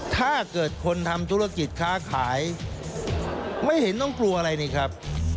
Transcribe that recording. ถ้าเกิดคนทำธุรกิจค้าขายไม่เห็นต้องกลัวอะไรนี่ครับ